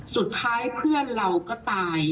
สุดท้ายเพื่อนเราก็ตาย